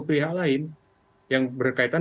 prihak lain yang berkaitan